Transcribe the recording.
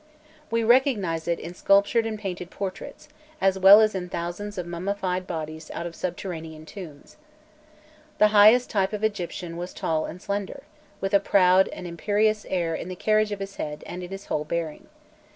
We recognize it in sculptured and painted portraits, as well as in thousands of mummied bodies out of subterranean tombs. The highest type of Egyptian was tall and slender, with a proud and imperious air in the carriage of his head and in his whole bearing.